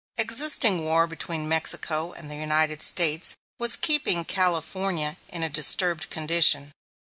Existing war between Mexico and the United States was keeping California in a disturbed condition.